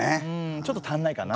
ちょっと足んないかな。